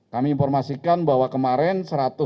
kami informasikan bahwa kemarin